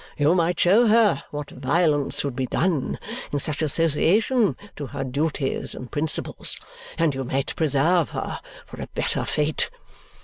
You might show her what violence would be done in such association to her duties and principles, and you might preserve her for a better fate.